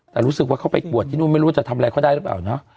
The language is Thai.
แต่รู้สึกว่าเขาไปตรวจที่นู่นไม่รู้ว่าจะทำอะไรเขาได้หรือเปล่าเนอะ